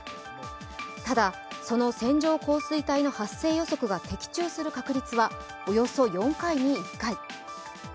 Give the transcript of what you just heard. ただ、その線状降水帯の発生予測が的中する確立はおよそ４回に１回。